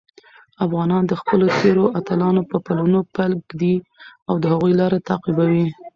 افغانان د خپلو تېرو اتلانو په پلونو پل ږدي او د هغوی لاره تعقیبوي.